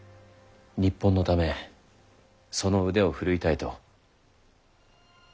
日本のためその腕を振るいたいと。